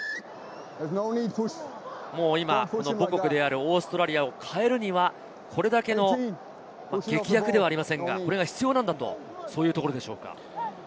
今、母国であるオーストラリアを変えるにはこれだけの劇薬ではありませんが、必要なんだと、そういうところでしょうか。